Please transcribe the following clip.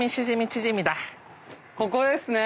ここですね。